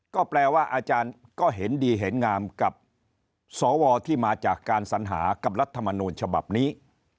ก็แปลว่าอาจารย์ก็เห็นดีเห็นงามกับสวที่มาจากการสัญหากับรัฐมนูลฉบับนี้